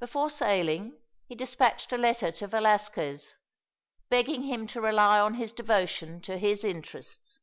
Before sailing he dispatched a letter to Velasquez, begging him to rely on his devotion to his interests.